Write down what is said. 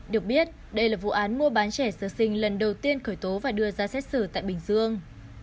được biết đây là vụ án mua bán trẻ sơ sinh lần đầu tiên khởi tố và đưa ra xét xử tại bình dương